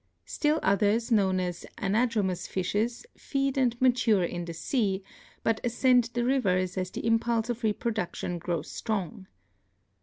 Still others, known as anadromous fishes, feed and mature in the sea, but ascend the rivers as the impulse of reproduction grows strong.